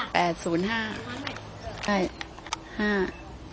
ไม่๕ก็๙เนี่ยมีไหม